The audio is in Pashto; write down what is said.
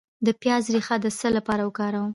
د پیاز ریښه د څه لپاره وکاروم؟